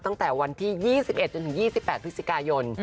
ตั้งแต่วันที่๒๑จนถึง๒๘พฤศจิกายน